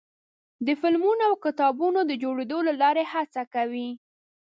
د فلمونو او کتابونو د جوړېدو له لارې هڅه کوي.